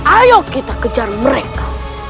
ayo kita kejar mereka